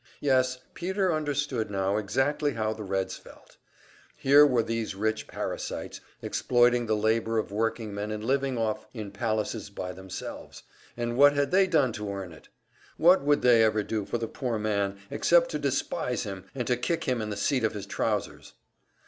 Yes, Peter understood now exactly how the Reds felt. Here were these rich parasites, exploiting the labor of working men and living off in palaces by themselves and what had they done to earn it? What would they ever do for the poor man, except to despise him, and to kick him in the seat of his trousers?